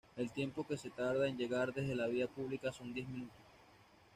El tiempo que se tarda en llegar desde la vía pública son diez minutos.